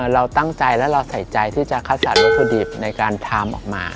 เราตั้งใจแล้วเราใส่ใจที่จะคัดสรรวัตถุดิบในการทำออกมา